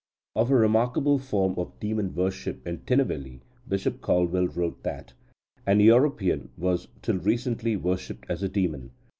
Of a remarkable form of demon worship in Tinnevelly, Bishop Caldwell wrote that "an European was till recently worshipped as a demon.